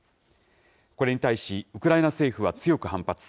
これに対し、ウクライナ政府は強く反発。